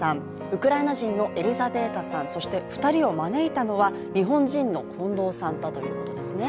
ウクライナ人のエリザベータさんそして２人を招いたのは日本人の近藤さんだということですね。